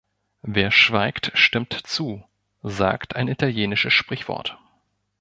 Wer schweigt, stimmt zu, sagt ein italienisches Sprichwort.